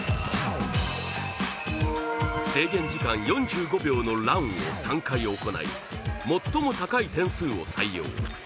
制限時間４５秒のランを３回行い、最も高い点数を採用。